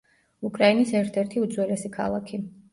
უკრაინის ერთ-ერთი უძველესი ქალაქი.